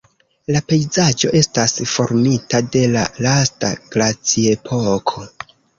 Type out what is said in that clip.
La pejzaĝo estas formita de la lasta glaciepoko.